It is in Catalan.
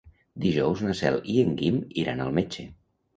Dijous na Cel i en Guim iran al metge.